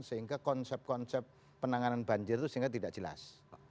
sehingga konsep konsep penanganan banjir itu sehingga tidak jelas